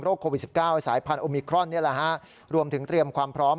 โควิด๑๙สายพันธุมิครอนรวมถึงเตรียมความพร้อม